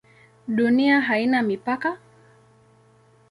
Dunia haina mipaka?